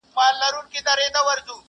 یو ږغ دی چي په خوب که مي په ویښه اورېدلی،